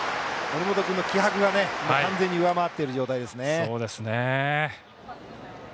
森本君の気迫が完全に上回っている状態ですね。